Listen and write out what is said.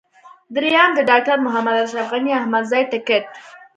درېم: د ډاکټر محمد اشرف غني احمدزي ټکټ.